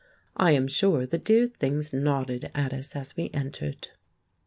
I am sure the dear things nodded at us as we entered.